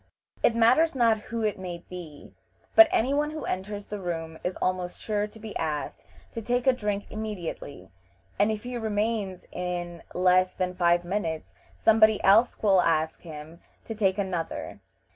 It matters not who it may be, but any one who enters the room is almost sure to be asked to take a drink immediately, and if he remains, in less than five minutes somebody else will ask him to take another.